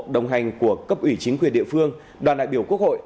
đồng hành của cấp ủy chính quyền địa phương đoàn đại biểu quốc hội